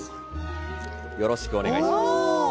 よろしくお願いします。